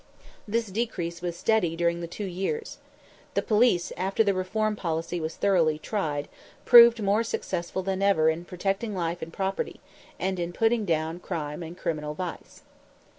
This decrease was steady during the two years. The police, after the reform policy was thoroughly tried, proved more successful than ever before in protecting life and property and in putting down crime and criminal vice.